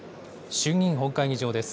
衆議院本会議場です。